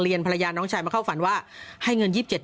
เรียนภรยานน้องชายมาเข้าฝันว่าให้เงินยิบเจ็ด